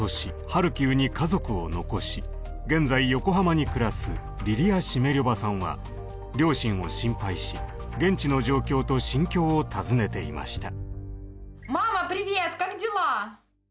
ハルキウに家族を残し現在横浜に暮らすリリア・シメリョヴァさんは両親を心配し現地の状況と心境を尋ねていました。